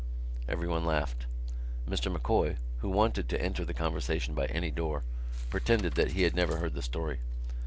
Everyone laughed. Mr M'Coy, who wanted to enter the conversation by any door, pretended that he had never heard the story.